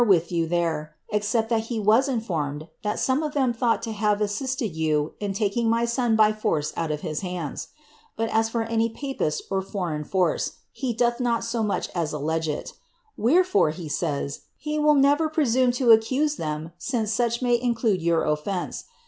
305 foa there, except that he was in formed, that some of them thought to have aasitted joa in taking my son by force out of his hands. But as for any papist or Ibreign force, he doth not so much as allege it. Wherefore, he say^ he will nerer presume to accuse them since such may include your offence.